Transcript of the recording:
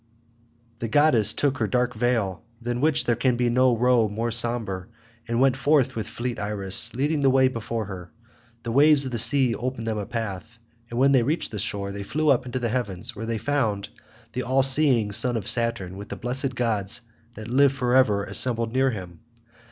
The goddess took her dark veil, than which there can be no robe more sombre, and went forth with fleet Iris leading the way before her. The waves of the sea opened them a path, and when they reached the shore they flew up into the heavens, where they found the all seeing son of Saturn with the blessed gods that live for ever assembled near him.